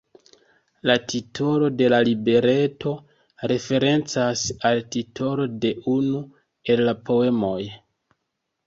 La titolo de la libreto referencas al titolo de unu el la poemoj.